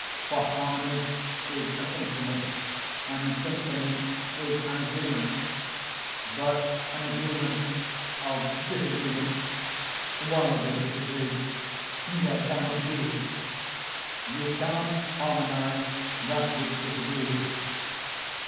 For harmony is a symphony, and symphony is an agreement; but an agreement of disagreements while they disagree there cannot be; you cannot harmonize that which disagrees.